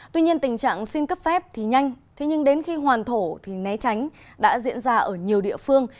tuy nhiên tình trạng xin cấp phép thì nhanh thế nhưng đến khi hoàn thổ thì né tránh đã diễn ra ở nhiều địa phương